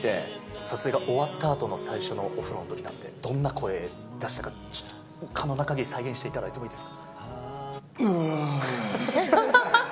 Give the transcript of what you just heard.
撮影が終わったあとの最初のお風呂のときなんてどんな声を出したりとか、可能なかぎり再現してもらってもいいですか？